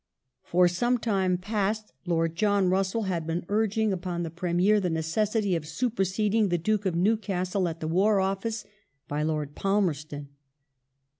For some time past Lord John Russell had been urging upon the Premier the necessity of superseding the Duke of Newcastle at the War Office by Lord Palmerston.